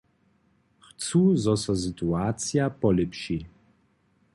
Chcu, zo so situacija polěpši.